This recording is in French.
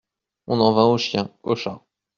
On en vint aux chiens, aux chats.